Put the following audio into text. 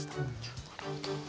なるほど。